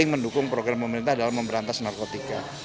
mendukung program pemerintah dalam memberantas narkotika